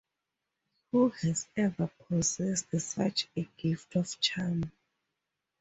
Who has ever possessed such a gift of charm?